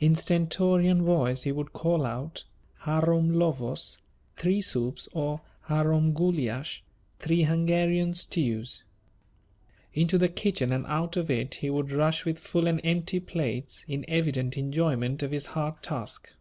In stentorian voice he would call out: "Harom Lövös" (three soups) or "Harom Gulyas" (three Hungarian stews). Into the kitchen and out of it he would rush with full and empty plates, in evident enjoyment of his hard task.